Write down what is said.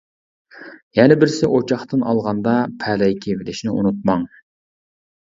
يەنە بىرسى ئوچاقتىن ئالغاندا پەلەي كىيىۋېلىشنى ئۇنتۇماڭ.